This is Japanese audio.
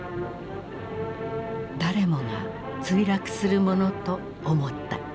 誰もが墜落するものと思った。